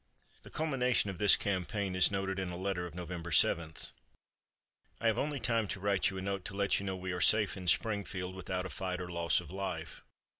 The culmination of this campaign is noted in a letter of November 7: "I have only time to write you a note to let you know we are safe in Springfield, without a fight or loss of life.